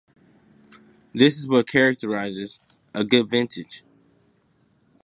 This is what characterizes a good vintage.